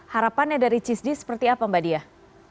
harapannya dari cisdi seperti apa mbak diah